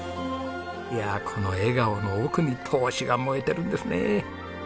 いやあこの笑顔の奥に闘志が燃えてるんですね。